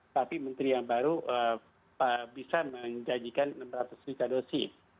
tapi menteri yang baru bisa menjanjikan enam ratus juta dosis